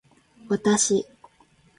私